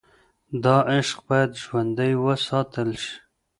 دا عشق باید ژوندی وساتل شي.